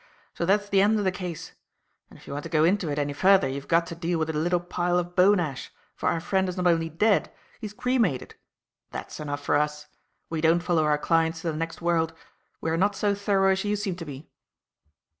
So that's the end of the case. And if you want to go into it any further you've got to deal with a little pile of bone ash, for our friend is not only dead; he's cremated. That's enough for us. We don't follow our clients to the next world. We are not so thorough as you seem to be."